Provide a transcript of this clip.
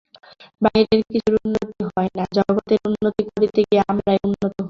বাহিরের কিছুর উন্নতি হয় না, জগতের উন্নতি করিতে গিয়া আমরাই উন্নত হই।